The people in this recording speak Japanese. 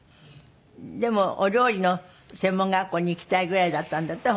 でもお料理の専門学校に行きたいぐらいだったんだって？